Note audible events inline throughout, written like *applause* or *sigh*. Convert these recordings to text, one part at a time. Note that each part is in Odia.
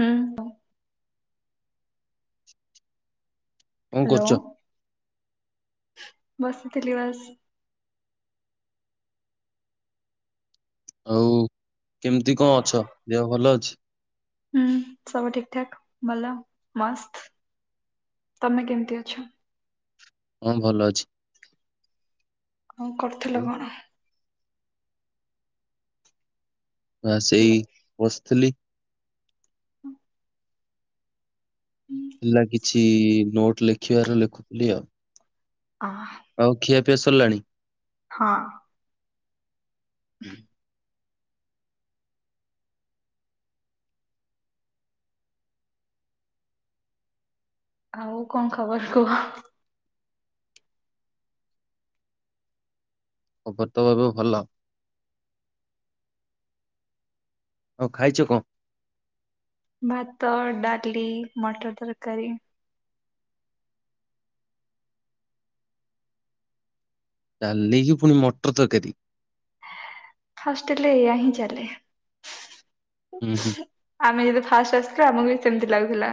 ହୁଁ। *inaudible* ହାଲୋ କରୁଛ? ବସିଥିଲି ବାସ୍। ଆଉ କେମିତି କଁ ଅଛ ଦେହ ଭଲ ଅଛି। ହୁଁ ସବୁ ଠିକ ଠାକ ଭଲ ମସ୍ତ ତମେ କେମିତି ଅଛ। ହଁ ଭଲ ଅଛି। କଁ କରୁଥିଲ କଣ। ନା ସେଇ ବସିଥିଲି। ହୁଁ। ଥିଲା କିଛି ନୋଟ ଲେଖିବାର ଲେଖୁଥିଲି ଆଉ। ଅ। ଆଉ ଖିଆ ପିଆ ସରିଲାଣି। ହଁ। ହୁଁ, *inaudible* ଆଉ କଣ ଖବର କୁହ। ଖବର ତ ଏବେ ଭଲ। ଆଉ ଖାଇଛ କଁ। ଭାତ ଡାଲି ମଟର ତରକାରୀ। ଡାଲକି ପୁଣି ମଟର ତରକାରୀ। ହଷ୍ଟେଲରେ ଏଇଆ ହିଁ ଚାଲେ। ଉଁ ହୁଁ। ଆମେ ଯେତେବେଳେ ଫାଷ୍ଟ ଆସିଥିଲୁ ଆମକୁ ବି ସେମତି ଲାଗୁଥିଲା।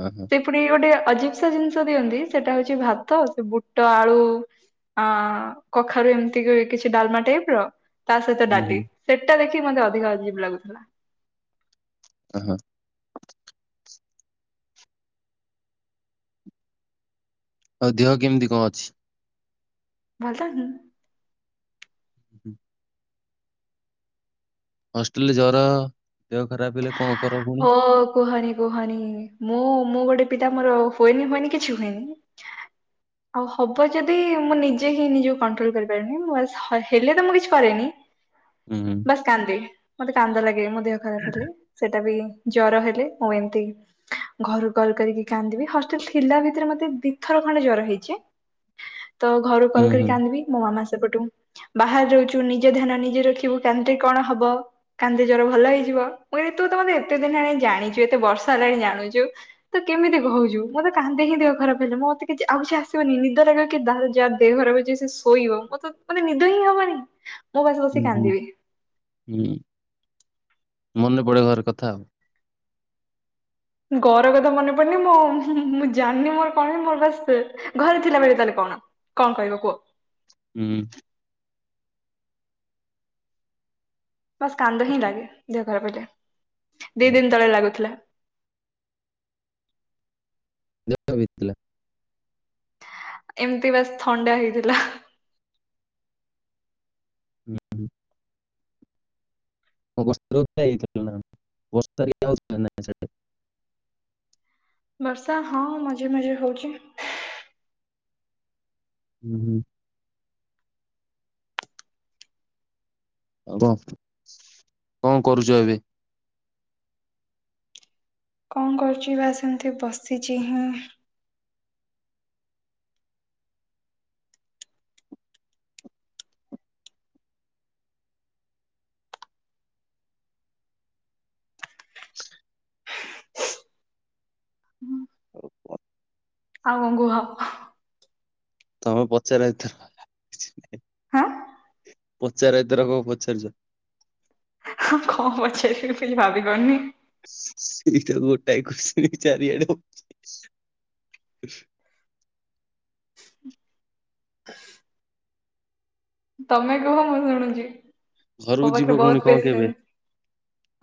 ଓ ହଁ। ସେ ଫୁଣି ଗୋଟେ ଅଜୀବ ସା ଜିନିଷ ଦିଅନ୍ତି ସେଟା ହଉଛି ଭାତ ସେ ବୁଟ ଆଳୁ। ଆ କଖାରୁ ଏମିତି କରି କିଛି ଡାଲମା ଟାଇପ ର। ତା ସହିତ ଅ ଡାଲି ସେଟା ଦେଖି ମତେ ଅଧିକ ଅଜୀବ ଲାଗୁଥିଲା। ଓ ହୁଁ। ଆଉ ଦେହ କେମିତି କଁ ଅଛି। ଭଲ ତ ହିଁ। ହୁଁ ହୁଁ। ହଷ୍ଟେଲରେ ଜର ଦେହ ଖରାପ ହେଲେ କଣ କର ପୁଣି। ଓ କୁହନି କୁହନି ମୁଁ ମୁଁ ଗୋଟେ ପିଲା ମୋର ହୁଏନି ମାନେ କିଛି ହୁଏନି। *inaudible* ଆଉ ହବ ଯଦି ମୁଁ ନିଜେ ହିଁ ନିଜକୁ କଣ୍ଟ୍ରୋଲ କରିପାରେନି ମୁଁ ହ ହେଲେ ତ ମୁଁ କିଛି କରେନି। ଉଁ ହୁଁ। ଖାଲି କାନ୍ଦେ ମତେ କାନ୍ଦ ଲାଗେ ମୋ ଦେହ ଖରାପ ହେଲେ ସେଇଟା ବି ଜର ହେଲେ ମୁଁ ଏମତି। ଘରୁକୁ କଲ କରିକି କାନ୍ଦିବି ହଷ୍ଟେଲ ଥିଲା ଭିତରେ ମତେ ଦି ଥର ଖଣ୍ଡେ ଜର ହେଇଛି। ତ ଘରୁ କୁ ହୁଁ କଲ୍ ହୁଁ କରିକି କାନ୍ଦିବି ମୋ ମାମା ସେପଟୁ। ବାହାରେ ରହୁଛୁ ନିଜେ ଧ୍ୟାନ ନିଜେ ରଖିବୁ କାନ୍ଦିଲେ କଣ ହବ କାନ୍ଦିଲେ ଜର ଭଲ ହେଇଯିବ। ମୁଁ କହିଲି ତୁ ତ ମତେ ଏତେ ଦିନି ହେଲାଣି ଜାଣିଛୁ ଏତେ ବର୍ଷ ହେଲାଣି ଜାଣୁଛୁ। ତ କେମିତି କହୁଛୁ ମୁଁ ତ କାନ୍ଦେ ହିଁ ଦେହ ଖରାପ ହେଲେ ମତେ କିଛି ଆଉ କିଛି ଆସିବନି ନିଦ ଲାଗିବ କି ଯାହାର ଯା ଦେହ ଖରାପ ହଉଛି। ସେ ଶୋଇବ ମତେ ମାନେ ନିଦ ହିଁ ହବନି। ମୁଁ ବାସ୍ ବସି ଉଁ ହୁଁ କାନ୍ଦିବି। ହୁଁ ମନେ ପଡେ ଘର କଥା ଆଉ। ଘର କଥା ମନେ ପଡନି ମୁଁ ମୁଁ ଜାଣିନି ମୋର କଣ ହୁଏ ମୋର ବାସ୍ ଘରେ ଥିଲାବେଳେ ତାହେଲେ କଣ କଣ କହିବ କୁହ। ହୁଁ। ବାସ୍ କାନ୍ଦ ହିଁ ଲାଗେ ଦେହଖରାପ୍ ହେଲେ ଦି ହଁ। ଦିନି ତଳେ ଲାଗୁଥିଲା। ଦେଖ ଭଥିଲା। ଏମ୍ତି ବାସ୍ ଥଣ୍ଡା ହେଇଥିଲା। ହୁଁ ହୁ। ଅବସ୍ତ୍ର ଓଦା ହେଇଥିଲା ନା ବସ୍ତା ହେଇଥିଲା ନାଁ ସ୍ୟାଡେ। ବର୍ଷା ହଁ ମଝିରେ ମଝିରେ ହଉଚି। ହୁଁ ହୁଁ। ଆଉ କଂ କଂ କରୁଚ ଏବେ। କଂ କର୍ଚି ବାସ୍ ଏମ୍ତି ବସିଚି ହିଁ। ଆଉ କଂ। ଆଉ କଂ ଗୁହ। ତମେ ପଚାର ହେଇଥିର। ହାଁ। ପଚାରେ ଏଥ୍ରକ ପଚାର୍ଚି। ହଁ କଂ ପଚାରିବି କିଛି ଭାବି ପାରୁନି। ସେଇଟା ଗୋଟାଏ ଖୁସି ଚାରିଆଡ। ତମେ କୁହ ମୁଁ ଶୁଣୁଚି ଘରକୁ ମୋ ଯିବ ପାଖରେ ପୁଣି ବହୁତ କଣ କେବେ ପେସେଁନ୍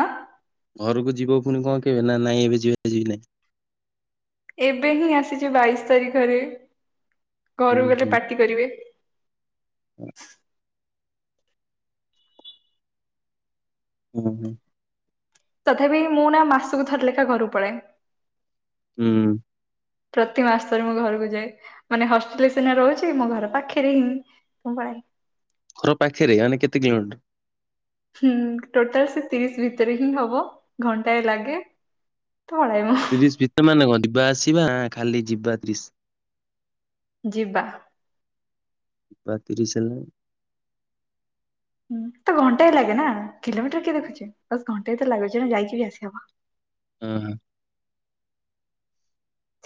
ହାଁ। ଘରକୁ ଯିବ ପୁଣି କଂ କେବେ ନା ନାଇଁ ଏବେ ଯିବା ଯିବି ନାଇଁ। ଏବେ ହିଁ ଆସିଛି ବାଇଶି ତାରିଖରେ ହୁଁ ଘରୁକୁ ଗଲେ ହୁଁ। ପାାର୍ଟି କରିବେହ *inaudible* ହୁଁ ହୁଁ। ତଥାପି ମୁଁ ନା ମାସକୁ ଥର୍ଲେଖା ଘରୁକୁ ପଳାଏ। ହୁଁ। ପ୍ରତି ମାସରେ ମୁଁ ଘରକୁ ଯାଏ। ମାନେ ହଷ୍ଟେଲ୍ ସିନା ରହୁଚି ମୋ ଘର ପାଖରେ ହିଁ। ଘର ପାଖେରେ ମାନେ କେତେ କିଲୋମିଟର୍। ହୁଁ ଟୋଟାଲ୍ ସେ ତିରିଶ୍ ଭିତରେ ହିଁ ହବ ଘଣ୍ଟାଏ ଲାଗେ ପଳାଏ ମୁଁ। ତିରିଶ୍ ଭିତ ମାନେ କଂ ଯିବା ଆସିବା ଖାଲି ଯିବା ତିରିଶ୍। ଯିବା। ବା ତିରିଶ୍ ହେଲେ। ହୁଁ ତ ଘଣ୍ଟା ଏ ଲାଗେ ନା କିଲୋମିଟର୍ କିଏ ଦେଖୁଛି ବାସ୍ ଘଣ୍ଟା ତ ଲାଗୁଛି ଯାଇକି ବି ଆସି ହବ। ହୁଁ ହୁଁ।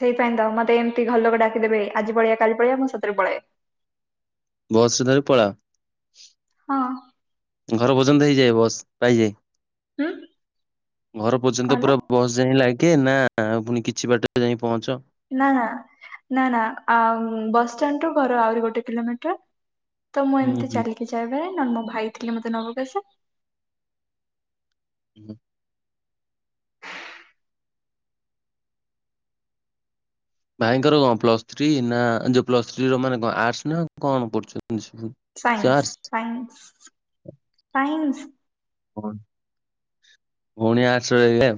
ସେଇପାଇଁ ତ ମତେ ଏମ୍ତି ଘର୍ଲୋକ ଡାକିଦେବେ ଆଜି ପଳେଆ କାଲି ପଳେଆ ମୁଁ ସତରେ ପଳାଏ। ବସ୍ରେ ଧରି ପଳାଅ। ହଁ। ଘର ପର୍ଯ୍ୟନ୍ତ ହେଇଯାଏ ବସ୍ ପାଇଯାଏ ହୁଁ। ଘର ପର୍ଯ୍ୟନ୍ତ କଣ ହେଲା ପୁରା ବସ୍ ଯାଇ ଲାଗେ ନା ପୁଣି କିଛି ବାଟରେ ଯାଇ ପହଞ୍ଚ। ନା ନା ନା ନା ଆଁ ବସଷ୍ଟାଣ୍ଡ୍ ରୁ ଘର ଆହୁରି ଗୋଟେ କିଲୋମିଟର୍। ତ ମୁଁ ହୁଁ ଏମ୍ତି ହୁଁ। ଚାଲିକି ଯାଇବାରେ ନହେଲେ ମୋ ଭାଇ ଥିଲେ ମତେ ନବାକୁ ଆସେ। ହୁଁ। ଭାଇଙ୍କର କଣ ପ୍ଲସ୍ ଥ୍ରୀ ନା ଯୋଉ ପ୍ଲସ୍ ଥ୍ରୀ ର ମାନେ କଂ ଆର୍ଟସ୍ ନା କଂ ପଢୁଚନ୍ତି। Science science science. ଭଉଣି ଭଉଣି ଆର୍ସ୍ ରହିଲେ।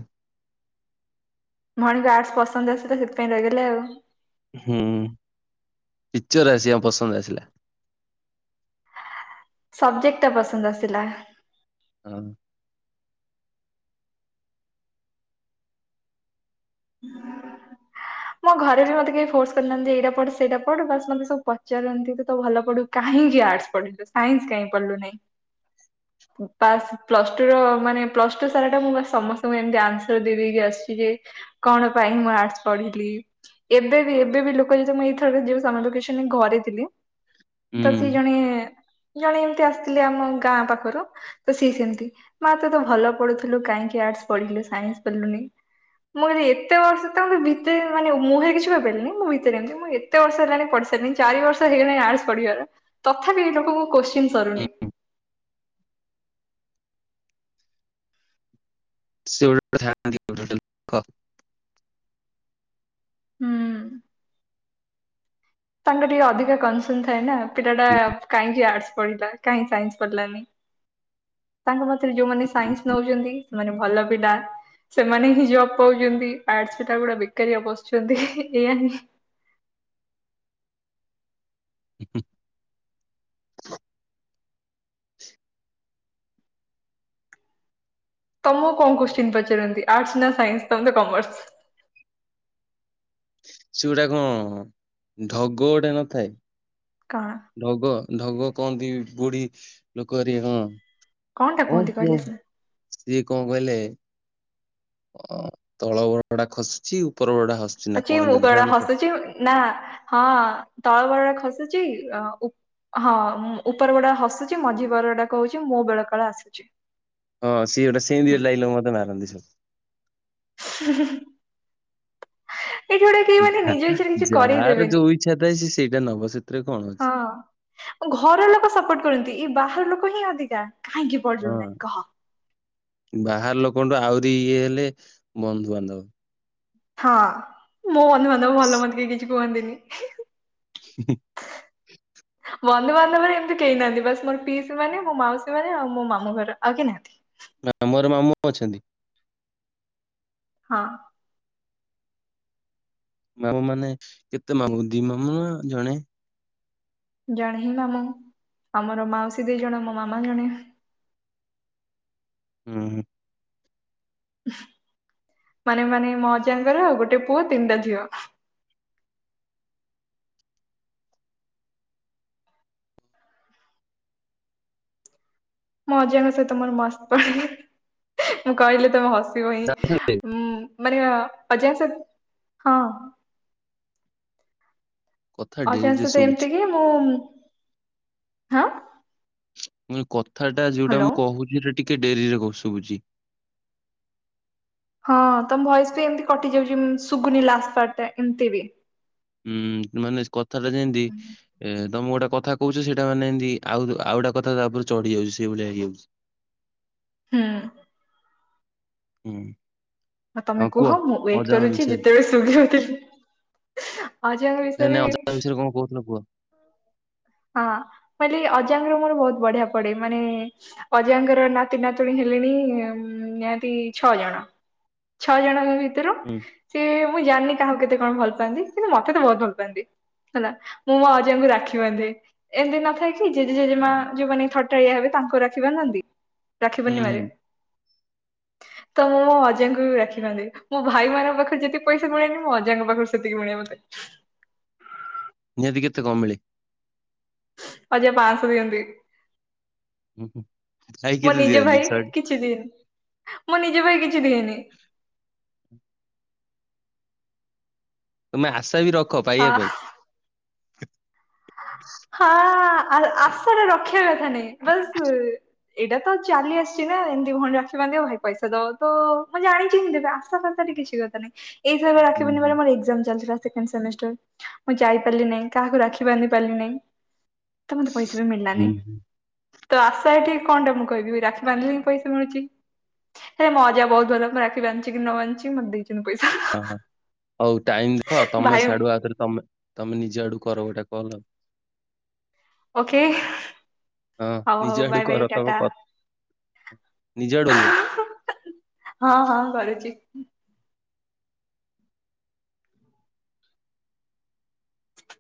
ଭଉଣୀଙ୍କୁ ଆର୍ଟସ୍ ପସନ୍ଦ୍ ଆସିଲା ସେଥିପାଇଁ ରଇଗଲେ ଆଉ। ହୁଁ ପିକ୍ଚର ଆସିବା ପସନ୍ଦ ଆସିଲା। ସବ୍ଜେକ୍ଟଟା ପସନ୍ଦ ଆସିଲା। ହୁଁ। ହୁଁ *inaudible* ମୋ ଘରେ ବି ମତେ କେହି ଫୋର୍ସ କରିନାନ୍ତି, ଏଇଟା ପଢ ସେଇଟା ପଢ, ବାସ୍ ମତେ ସବୁ ପଚାରନ୍ତି, ତୁ ତ ଭଲ ପଢୁ। କାହିଁକି ଆର୍ଟସ୍ ପଢିଲୁ? ସାଇନ୍ସ କାଇଁ ପଢିଲୁନାଇଁ? *inaudible* ପାସ୍ ପ୍ଲସ୍ ଟୁ ର ମାନେ ପ୍ଲସ୍ ଟୁ ସାରା ଟା ମୁଁ ସମସ୍ତଙ୍କୁ ଏମତି ଆନ୍ସର ଦେ-ଦେଇକି ଆସିଛି ଯେ କଣ ପାଇଁ ମୁଁ ଆର୍ଟସ୍ ପଢିଲି? ଏବେ ବି, ଏବେ ବି ଲୋକ ଯେତ ମୁଁ, ମୁଁ ଏଇଥର ଯଉ ସମର ଭେକେସନ୍ ରେ ଘରେ ଥିଲି, ତ ସେ ହୁଁ ଜଣେ, ଜଣେ ଏମତି ଆସିଥିଲେ ଆମ ଗାଁ ପାଖରୁ ତ ସିଏ ସେମିତି, ମା ତୁ ତ ଭଲ ପଢୁଥିଲୁ କାହିଁକି ଆର୍ଟସ ପଢିଲୁ ସାଇନ୍ସ ପଢିଲୁନି? ମୁଁ କହିଲି ଏତ୍ ଏତେ ବର୍ଷ ତ ଭିତରେ ମାନେ ମୁହଁରେ କିଛି କହିପାଇଲିନି। ମୁଁ ଭିତରେ ଏମିତି ମୁଁ, ଏତେ ବର୍ଷ ହେଲାଣି ପଢ଼ି ସାରିନି ଚାରି ବର୍ଷ ହେଇଗଲାଣି ଆର୍ଟସ ପଢିବାର। ତଥାପି, ଏଇ ଲୋକଙ୍କ କୋଶ୍ଚିନ୍ ସରୁନି। ହୁଁ। ସେ ଗୋଟେ *inaudible* ଥାଆନ୍ତି ଗୋଟେ ଗୋଟେ ଲୋକ। ହୁଁ। ତାଙ୍କ ଟିକେ ଅଧିକ କନ୍ ସନ୍ ଥାଏ ନା। ପିଲା ଟା କାହିଁକି ଆର୍ଟସ୍ ପଢିଲା। କାହିଁକି ସାଇନ୍ସ ପଢିଲାନି? ତାଙ୍କ ମତରେ ଯୋଉମାନେ ସାଇନ୍ସ ନଉଛନ୍ତି, ସେମାନେ ଭଲ ପିଲା। ସେମାନେ ହିଁ ଜବ୍ ପାଉଛନ୍ତି। ଆର୍ଟସ ପିଲା ଗୁଡା ବେକାରିଆ ବସିଛନ୍ତି। ଏଇଆ ହିଁ *inaudible* ତମକୁ କଣ କୋଶ୍ଚିନ୍ ପଚାରନ୍ତି ଆର୍ଟସ ନା ସାଇନ୍ସ? ତମେ ତ କମର୍ସ! ସେଗୁଟା କଣ ଢଗ ଗୋଟେ ନଥାଏ କଣ? ଢଗ ଢଗ କହନ୍ତି, ବୁଢୀ ଲୋକ ହେରିକା, ହଁ। କଣଟା କ, କୁହନ୍ତି କ, କହିଲେ ସିନା। ସିଏ କଣ କହିଲେ? ଅ ତଳ ବରଡା ଖସୁଛି ଉପର ବରଡା ହସ୍ ଅଛି ଉପରା ହସୁଛି ନା ହଁ, ତଳ ବରଡା ଖସୁଛି ଅଁ ଉ ହଁ, ଉପର ବରଡା ହସୁଛି, ମଝି ବରଡା କହୁଛି, ମୋ ବେଳକାଳ ଆସୁଛି। ହଁ, ସିଏଟା ସେମିତି ହୁଁ ଡାଇଲକ୍ ମତେ ମାରନ୍ତି ସବୁ। *unintelligible* ଏଇଠି ଗୋଟେ କେହି *inaudible* ମାନେ ଯା, ନିଜ ଇଚ୍ଛାରେ କିଛି ଯାହାର କରେଇଦେବେନି ଯୋଉ ଇଚ୍ଛା ଥାଏ। ସେ ସେଇଟା ନବ ସେଥିରେ କଣ ଅଛି? ହଁ ଘର ଲୋକ ସପୋର୍ଟ କରନ୍ତି। ଏଇ ବାହାର ଲୋକ ହିଁ ଅଧିକା! କାହିଁକି ପଢିଲୁ ହଁ ନାହିଁ କହ? ବାହାର ଲୋକଙ୍କଠୁ ଆହୁରି ଇଏ ହେଲେ, ବନ୍ଧୁବାନ୍ଧବ। ହଁ ମୋ ବନ୍ଧୁବାନ୍ଧବ ଭଲ ମତେ କେହି କିଛି କୁହନ୍ତିନି। *unintelligible* ବନ୍ଧୁବାନ୍ଧବରେ ଏମିତି କେହି ନାହାଁନ୍ତି? ବାସ୍ ମୋର ପିଇସି ମାନେ, ମୋ ମାଉସୀ ମାନେ, ଆଉ ମୋ ମାମୁଁ ଘର। ଆଉ କେହି ନାହାଁନ୍ତି? ନାଁ, ମୋର ମାମୁଁ ଅଛନ୍ତି। ହଁ। ମାମୁଁ ମାନେ କେତେ ମାମୁଁ, ଦି ମାମୁଁ, ନା ଜଣେ? ଜଣେ ହି ମାମୁଁ, ଆମର ମାଉସୀ ଦି ଜଣ, ମୋ ମାମା ଜଣେ। ହୁଁ, ହୁଁ। ମାନେ ମାନେ ମୋ ଅଜାଙ୍କର ଗୋଟେ ପୁଅ, ତିନିଟା ଝିଅ। ମୋ ଅଜାଙ୍କ ସହିତ ମୋର ମସ୍ତ ପଡେ। ମୁଁ କହିଲେ ତମେ ହସିବ ହିଁ। ଜାଣିଛନ୍ତି? ହୁଁ ମାନେ ଅଜାଙ୍କ ସ ହଁ କଥା ଅଜାଙ୍କ ଡେରିରେ ସହିତ ଶୁଭୁଛି ଏମିତି କି ମୁଁ ହଁ ମାନେ କଥାଟା ଯୋଉଟା ହ୍ୟାଲୋ ମୁଁ କହୁଛି ସେଟା ଟିକେ ଡେରିରେ କ ଶୁଭୁଚି ହଁ ତମ ଭଏସ ବି ଏମିତି କଟି ଯାଉଛି ଶୁଗୁନି ଲାଷ୍ଟ ଫାର୍ଟଟା ଏମିତି ବି ଉୁଁ ମାନେ କଥାଟା ଯେମିତି ଏ ତମୁକୁ ଗୋଟେ କଥା କହୁଛି ସେଇଟା ମାନେ ଏମତି ଆଉ ଆଉ ଗଟା କଥା ତାପରେ ଚଢି ଯାଉଛି ସେଇ ଭଳିଆ ହେଇଯାଉଛି ହୁଁ ହୁଁ ହଉ ତମେ ହଁ କୁହ ମୁଁ ୱେଟ ଅଜାମ କରୁଛି ବିଷୟରେ ଯେତେବେଳେ ଶୁଭିବ ଅଜାଙ୍କ ନାଇଁ ନାଇଁ ବିଷୟରେ ଅଜାମ ବିଷୟରେ କଣ କହୁଥିଲ କୁହ? ହଁ ମୁକହିଲି ଅଜାଙ୍କର ମୋର ବହୁତ ବଢିଆ ପଡେ ମାନେ ଅଜାଙ୍କର ନାତି ନାତୁଣୀ ହେଲିଣି ନିହାତି ଛଅ ଜଣ ଛଅ ଜଣଙ୍କ ଭିତରୁ ହୁଁ ସିଏ ମୁଁ ଜାଣିନି କାହାକୁ କେତେ କଣ ଭଲ ପାଆନ୍ତି କିନ୍ତୁ ମତେ ତ ବହୁତ ଭଲ ପାଆନ୍ତି ହେଲା ମୁଁ ମୋ ଆଜାଙ୍କୁ ରାଖି ବାଧେ ଏମିତି ନଥାଏ କି ଜେଜେ ଜେଜେମା ଯୋଉମାନେେ ଥଟାଳିଆ ହବେ ତାଙ୍କୁ ରାଖୀ ବାନ୍ଧନ୍ତି ରାକ୍ଷୀ ହୁଁ ପୂର୍ଣ୍ଣିମା ରେ ହୁଁ *inaudible* ତ ମୁଁ ମୋଅଜାଙ୍କୁ ବି ରାଖିବାନ୍ଧେ ମୋ ଭାଇ ମାନଙ୍କ ପାଖରେ ଯେତିକ ପଇସା ମିଳେନି ମୁଁ ଅଜାଙ୍କ ପାଖରୁ ସେତିକି ମିଳେଇ ଆଛା ନିହାତି କେତେ କମ ମିଳେ ଆଜା ପାସ ଦିଅନ୍ତି ହୁଁ ହୁଁ ଖାଇ କେତେ ଦିଅନ୍ତି ସାର୍ଟ କିଛିନି ମୁଁ ନିଜ ପାଇଁ କିଛି ଦେଇନି ତମେ ଆଶା ବି ରଖ ଆ ପାଇବା ପାଇଁ ହଁ ଆ ଆସଟା ରଖିବା କଥା ନାଇ ବସ ଏଇଟା ତ ଚାଲି ଆସିଛି ନା ଏମିତି ଭଉଣୀ ରାକ୍ଷୀ ବାନ୍ଧି ଭାଇ ପଇସା ଦବ ତ ମୁଁ ଜାଣିଛିିଁ ଦେବେ ଆଶା ଫାତା ଟିକ କିଛି କିଛି ଦରକାର ନାହିଁ ଏଇ *unintelligible* ରାକ୍ଷୀ ହୁଁ ହୁଁ ପୂଣ୍ଣିମା ରେ ମୋର ଏକଜାମ ଚାଲି ଥିଲା ସେକେଣ୍ଡ ସେମି ମୁଁ ଯାଇପାରିଲି ନାହିଁ କାହାକୁ ରାକ୍ଷୀ ବାନ୍ଧି ପାରିଲି ନାହିଁ ତ ମତେ ପଇସା ବି ମିଳିଲାନି ହୁଁ ହୁଁ ତ ଆଶା ଏଠିକି କଣଟା ମୁଁ କହିବି ରାକ୍ଷୀ ବାନ୍ଧିଲି ହି ପଇସା ମିଳୁଛି ହେଲେ ମଜା ବହୁତ ଭଲ ମୁଁ ରାଖିବାନ୍ଧି ଚିକି ନ ବାନ୍ଧିଚି ମତେ ଦେଇଚନ୍ତି ପଇସା ହ ହଉ ଟାଇମ ଦେଖ ତମେ ଭାଇ ସାଢୁ ଆଗରେ ତମେ ତମେ ନିଜେ ଆଡ କର ଗୋଟେ କଲ ଆଉ ଓକେ ହଁ ହଉ ହଉ ନିଜେ ଆଡୁ ବାଏ ବାଏ କର ତମ ଟାଟା କ ନିଜେ ଆ ଡରିବ ହଁ ହଁ କରୁଛି